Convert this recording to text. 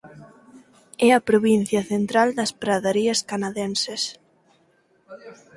É a provincia central das Pradarías canadenses.